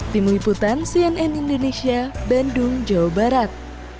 tim liputan cnn indonesia bandung jawa barat